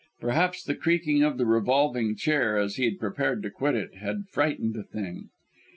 Perhaps the creaking of the revolving chair, as he had prepared to quit it, had frightened the thing.